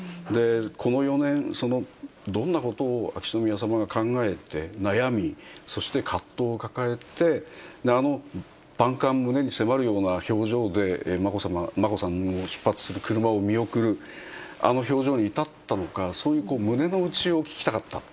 この４年、どんなことを秋篠宮さまが考えて、悩み、そして葛藤を抱えて、あの万感胸に迫るような表情で眞子さんの出発する車を見送る、あの表情に至ったのか、その胸の内を聞きたかった。